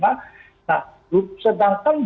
nah sedangkan bi sendiri setelah ini